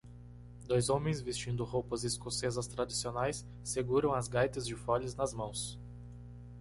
Dois homens vestindo roupas escocesas tradicionais seguram as gaitas de foles nas mãos.